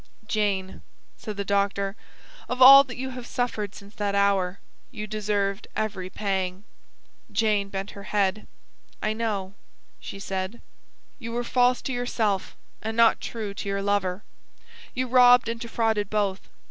"Jane," said the doctor, "of all that you have suffered since that hour, you deserved every pang." Jane bent her head. "I know," she said. "You were false to yourself, and not true to your lover. You robbed and defrauded both.